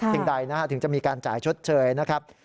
ถึงไหนนะถึงจะมีการจ่ายชดเชยนะครับ